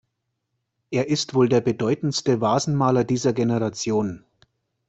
Er ist der wohl bedeutendste Vasenmaler dieser Generation.